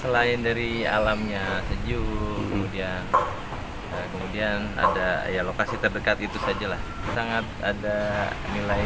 lain dari alamnya sejuk kemudian ada ya lokasi terdekat itu sajalah sangat ada nilai